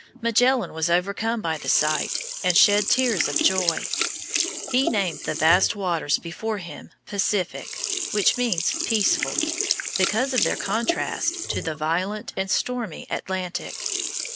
Magellan was overcome by the sight, and shed tears of joy. He named the vast waters before him Pacific, which means "peaceful," because of their contrast to the violent and stormy Atlantic.